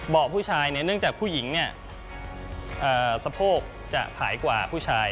เบาะผู้ชายเนื่องจากผู้หญิงสะโพกจะขายกว่าผู้ชาย